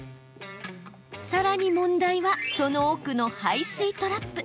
さらに問題はその奥の排水トラップ。